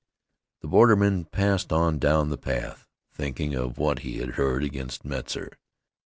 The borderman passed on down the path thinking of what he had heard against Metzar.